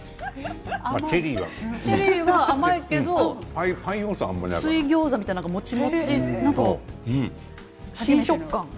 チェリーは甘いけど水ギョーザみたいなもちもち新食感。